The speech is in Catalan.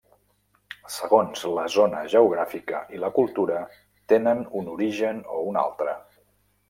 Segons la zona geogràfica i la cultura, tenen un origen o un altre.